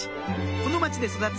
この町で育つ